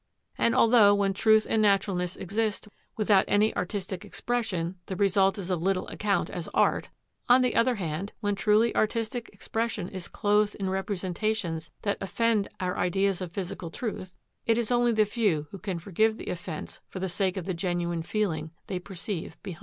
And although, when truth and naturalness exist without any artistic expression, the result is of little account as art, on the other hand, when truly artistic expression is clothed in representations that offend our ideas of physical truth, it is only the few who can forgive the offence for the sake of the genuine feeling they perceive behind it.